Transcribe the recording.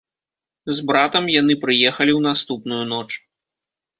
З братам яны прыехалі ў наступную ноч.